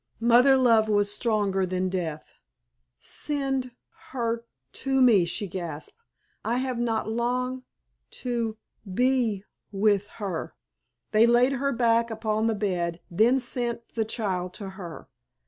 Mother love was stronger than death. "Send—her—to me," she gasped—"I have not long—to—be—with—her." They laid her back upon the bed, then sent the child to her.